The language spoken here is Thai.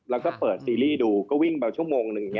แล้วก็เปิดซีรีส์ดูก็วิ่งไปชั่วโมงหนึ่ง